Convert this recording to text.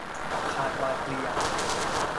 คาดว่า เกลี้ยง